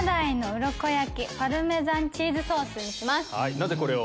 なぜこれを？